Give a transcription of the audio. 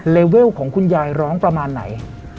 เวลของคุณยายร้องประมาณไหน